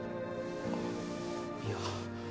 いや。